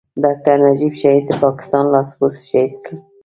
ډاکټر نجيب شهيد د پاکستان لاسپوڅو شهيد کړ.